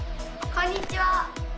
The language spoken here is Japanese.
こんにちは！